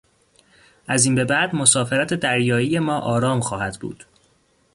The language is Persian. از این به بعد مسافرت دریایی ما آرام خواهد بود.